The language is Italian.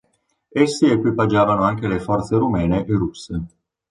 Essi equipaggiavano anche le forze rumene e russe.